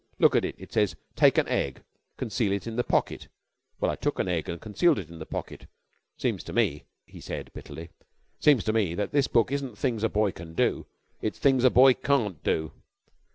Look at it. It says: 'Take an egg. Conceal it in the pocket.' Well, I took an egg an' I concealed it in the pocket. Seems to me," he said bitterly, "seems to me this book isn't 'Things a Boy Can Do.' It's 'Things a Boy Can't Do.'"